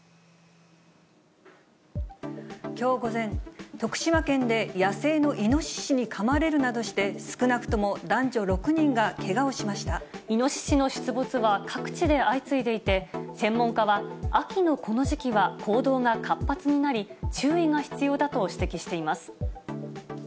きょう午前、徳島県で野生のイノシシにかまれるなどして、少なくとも男女６人イノシシの出没は各地で相次いでいて、専門家は秋のこの時期は行動が活発になり、注意が必要だと指摘しています。